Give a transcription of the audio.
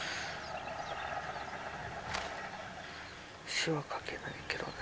詞は書けないけどね。